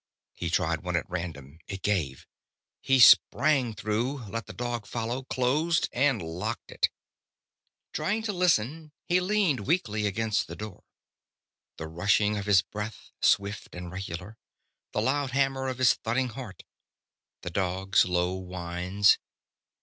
He tried one at random. It gave. He sprang through, let the dog follow, closed and locked it. Trying to listen, he leaned weakly against the door. The rushing of his breath, swift and regular. The loud hammer of his thudding heart. The dog's low whines.